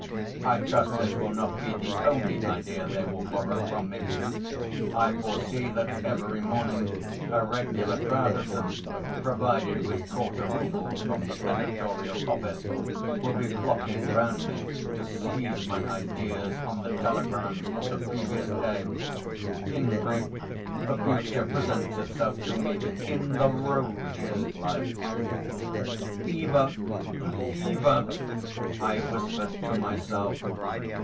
I trust this will not be the only idea they will borrow from me. I foresee that every morning a regular crowd of them, provided with quarter roubles from the editorial office, will be flocking round me to seize my ideas on the telegrams of the previous day. In brief, the future presents itself to me in the rosiest light." "Fever, fever!" I whispered to myself.